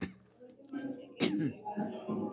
amesema nchi yake inashikitishwa na uamuzi ambao